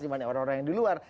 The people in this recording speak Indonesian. dimana orang orang yang di luar